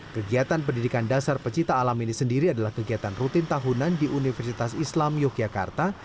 kegiatan pendidikan dasar pecinta alam ini sendiri adalah kegiatan rutin tahunan di universitas islam yogyakarta